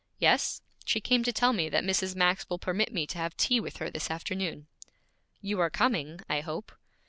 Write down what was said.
'Yes? She came to tell me that Mrs. Max will permit me to have tea with her this afternoon.' 'You are coming, I hope?'